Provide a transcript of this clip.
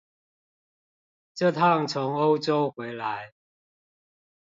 這趟從歐洲回來